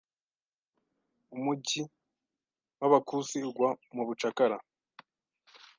Umujyi wa Bakusi ugwa mu bucakara